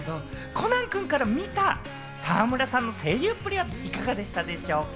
コナン君から見た沢村さんの声優っぷりは、いかがでしたでしょうか？